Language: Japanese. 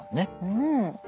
うん。